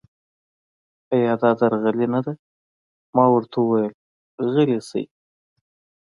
ایا دا درغلي نه ده؟ ما ورته وویل: غلي شئ.